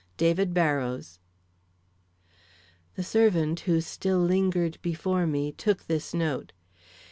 David Barrows The servant, who still lingered before me, took this note.